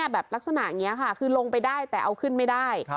แบบลักษณะอย่างนี้ค่ะคือลงไปได้แต่เอาขึ้นไม่ได้